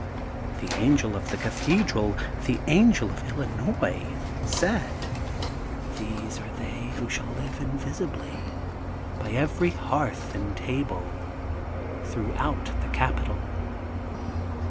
The Angel of the Cathedral, the Angel of Illinois, said: * These are they who shall live invisibly by every hearth and table throughout the Capital.